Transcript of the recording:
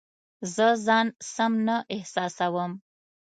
زه ځان سم نه احساسوم